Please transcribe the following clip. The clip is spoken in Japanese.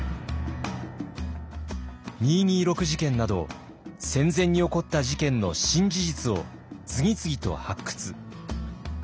二・二六事件など戦前に起こった事件の新事実を次々と発掘。